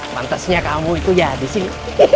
pantasnya kamu itu ya disini